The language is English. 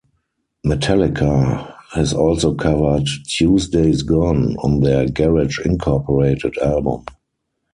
Metallica has also covered "Tuesday's Gone" on their "Garage Incorporated" album.